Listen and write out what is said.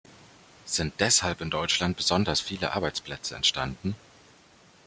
Sind deshalb in Deutschland besonders viele Arbeitsplätze entstanden?